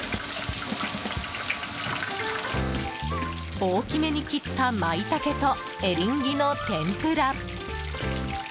大きめに切ったマイタケとエリンギの天ぷら。